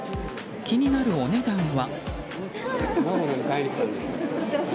気になるお値段は。